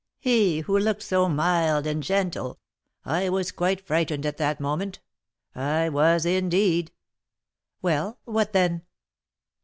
he who looked so mild and gentle! I was quite frightened at that moment; I was, indeed " "Well, what then?"